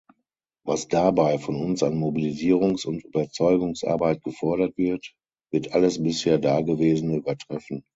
Was dabei von uns an Mobilisierungs- und Überzeugungsarbeit gefordert wird, wird alles bisher Dagewesene übertreffen.